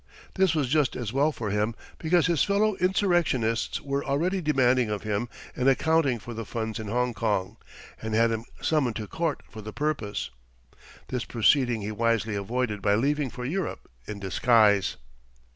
This was just as well for him, because his fellow insurrectionists were already demanding of him an accounting for the funds in Hongkong, and had him summoned to court for the purpose. This proceeding he wisely avoided by leaving for Europe in disguise.